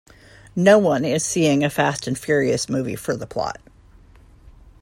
No one is seeing a Fast and the Furious movie for the plot.